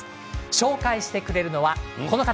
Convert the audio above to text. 紹介してくれるのは、この方